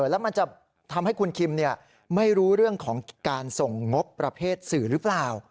แล้วมันจะทำให้คุณคิมไม่รู้เรื่องของการส่งงบประเภทสื่อหรือเปล่า